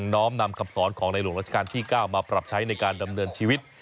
้อมนำคำสอนของในหลวงราชการที่๙มาปรับใช้ในการดำเนินชีวิต